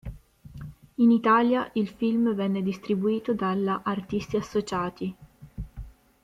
In Italia, il film venne distribuito dalla Artisti Associati.